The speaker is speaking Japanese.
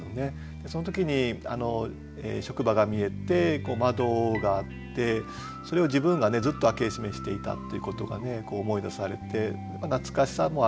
その時に職場が見えて窓があってそれを自分がずっと開け閉めしていたっていうことが思い出されて懐かしさもあるし